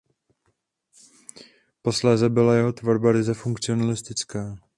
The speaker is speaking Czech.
Posléze byla jeho tvorba ryze funkcionalistická.